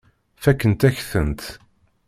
Fakkent-ak-tent.